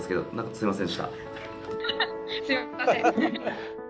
すみません。